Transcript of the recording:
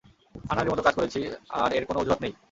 আনাড়ির মত কাজ করেছি, আর এর কোন অজুহাত নেই।